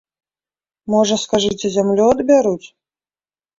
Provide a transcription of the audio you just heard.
Можа, скажаце, зямлю адбяруць?